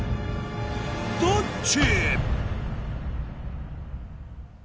どっち？